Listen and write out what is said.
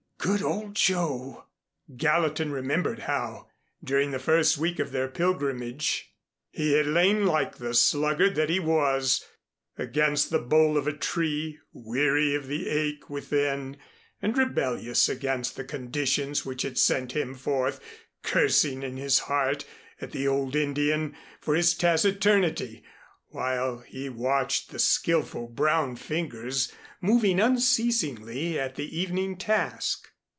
Good old Joe! Gallatin remembered how, during the first week of their pilgrimage, he had lain like the sluggard that he was, against the bole of a tree, weary of the ache within and rebellious against the conditions which had sent him forth, cursing in his heart at the old Indian for his taciturnity, while he watched the skillful brown fingers moving unceasingly at the evening task.